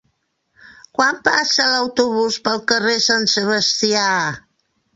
Quan passa l'autobús pel carrer Sant Sebastià?